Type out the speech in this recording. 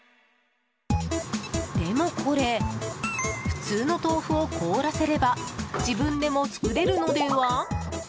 でもこれ普通の豆腐を凍らせれば自分でも作れるのでは？